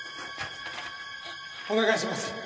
お願いします。